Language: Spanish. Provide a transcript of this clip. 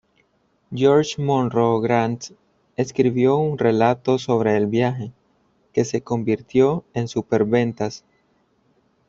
George Monro Grant escribió un relato sobre el viaje, que se convirtió en superventas.